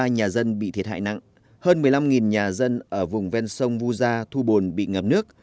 ba mươi nhà dân bị thiệt hại nặng hơn một mươi năm nhà dân ở vùng ven sông vu gia thu bồn bị ngập nước